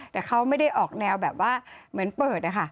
แต่เขาไม่ได้ออกแนวแบบว่าเหมือนเปิดนะคะ